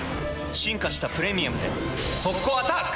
進化した「プレミアム」で速攻アタック！